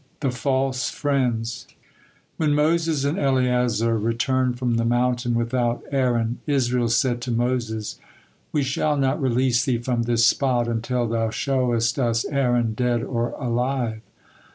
THE FALSE FRIENDS When Moses and Eleazar returned from the mountain without Aaron, Israel said to Moses: "We shall not release thee from this spot until thou showest us Aaron, dead or alive."